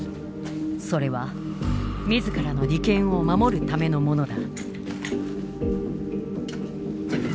それは自らの利権を守るためのものだ。